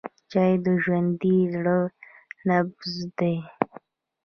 چای د ژوندي زړه نبض دی.